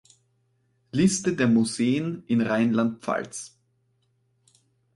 Liste der Museen in Rheinland-Pfalz